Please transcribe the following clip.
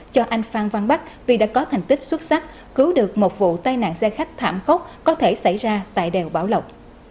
cho anh phan văn bắc vì đã có thành tích xuất sắc cứu được một vụ tai nạn xe khách thảm khốc có thể xảy ra tại đèo bảo lộc